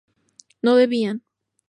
no bebían